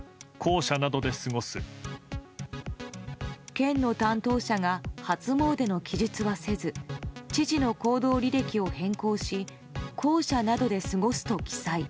県の担当者が初詣の記述はせず知事の行動履歴を変更し公舎などで過ごすと記載。